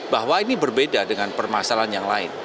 bahwa ini berbeda dengan permasalahan yang lain